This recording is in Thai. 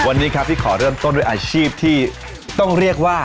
วันนี้ครับที่ขอเริ่มต้นด้วยอาชีพที่ต้องเรียกว่า